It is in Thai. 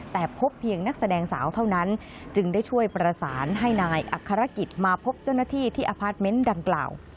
แต่พบเพียงนักแสดงสาวเท่านั้นจึงได้ช่วยประสานให้นายอัครกิจมาพบเจ้าหน้าที่ที่อพาร์ทเมนต์ดังกล่าว